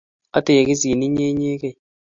Ategisin inye inyegei